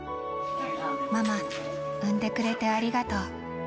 ママ、産んでくれてありがとう。